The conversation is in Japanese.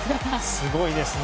すごいですね。